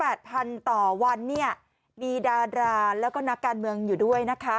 พันต่อวันเนี่ยมีดาราแล้วก็นักการเมืองอยู่ด้วยนะคะ